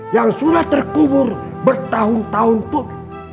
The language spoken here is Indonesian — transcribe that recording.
yang sudah terkubur bertahun tahun pun